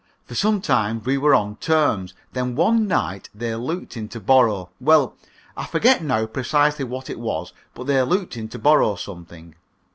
For some time we were on terms. Then one night they looked in to borrow well, I forget now precisely what it was, but they looked in to borrow something.